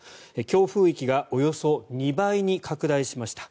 強風域がおよそ２倍に拡大しました。